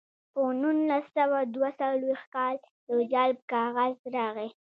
په نولس سوه دوه څلویښت کال د جلب کاغذ راغی